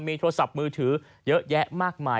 มีโทรศัพท์มือถือเยอะแยะมากมาย